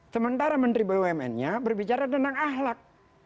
sementara menteri bumn nya berbicara tentang ahlak